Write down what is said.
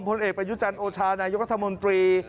ผลเอกประยุจันทร์โอชานายกรัฐมนตรี